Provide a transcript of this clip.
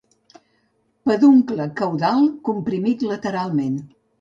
Peduncle caudal comprimit lateralment.